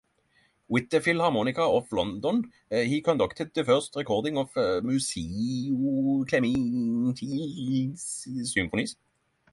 With the Philharmonia of London, he conducted the first recording of Muzio Clementi's Symphonies.